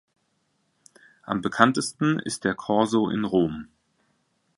Am bekanntesten ist der Korso in Rom.